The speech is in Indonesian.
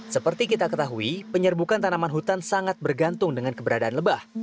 seperti kita ketahui penyerbukan tanaman hutan sangat bergantung dengan keberadaan lebah